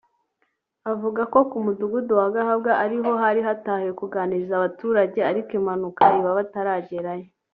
Avuga ko mu Mudugudu wa Gahabwa ari ho hari hatahiwe kuganiriza abaturage ariko impanuka iba bataragerayo